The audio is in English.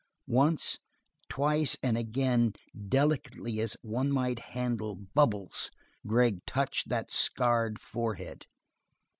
Once, twice and again, delicately as one might handle bubbles, Gregg touched that scarred forehead.